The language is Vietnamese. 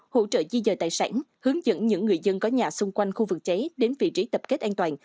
hỗ trợ di dời tài sản hướng dẫn những người dân có nhà xung quanh khu vực cháy đến vị trí tập kết an toàn